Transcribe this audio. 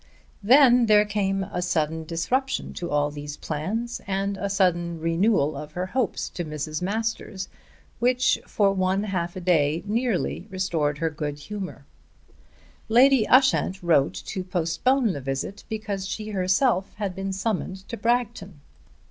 Then there came a sudden disruption to all these plans, and a sudden renewal of her hopes to Mrs. Masters which for one half day nearly restored her to good humour. Lady Ushant wrote to postpone the visit because she herself had been summoned to Bragton.